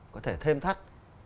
có thể thêm thắt